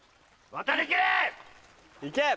渡りきれ！